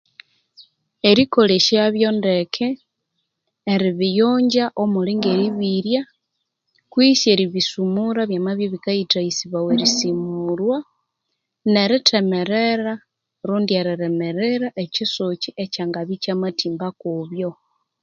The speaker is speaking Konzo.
Erikolesyabyo ndeke, eribiyongya omuli nge eribirya kwisi eribisumura byamabya ibikayithaghisibawa erisumurwa, nerithemerera rundi erilimirira ekyisuki ekyangabya ikyamathimba kubyo.